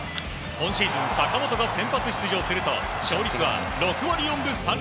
今シーズン坂本が先発出場すると勝率は６割４分３厘。